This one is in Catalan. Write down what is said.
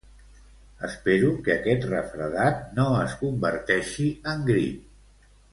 Espero que aquest refredat no es converteixi en grip